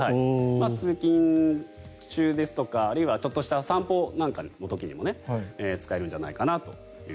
通勤中ですとかちょっとした散歩の時にも使えるんじゃないかなと。